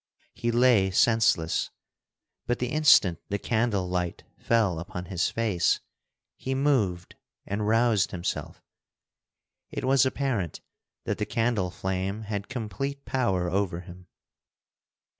He lay senseless, but the instant the candle light fell upon his face, he moved and roused himself. It was apparent that the candle flame had complete power over him.